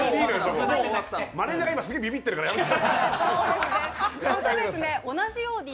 マネージャーが今、すげぇビビってるからやめて。